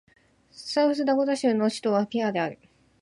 サウスダコタ州の州都はピアである